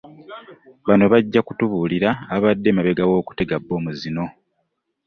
Bano bajja kutubuulira abo ababadde e mabega w'okutega bbomu zino